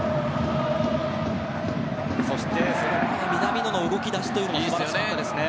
そして、その前の南野の動き出しも素晴らしかったですね。